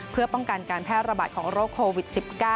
เพื่อป้องกันการแพร่ระบาดของโรคโควิด๑๙